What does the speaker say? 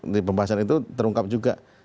di pembahasan itu terungkap juga